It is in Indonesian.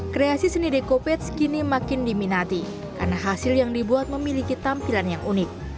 kreasi seni dekopets kini makin diminati karena hasil yang dibuat memiliki tampilan yang unik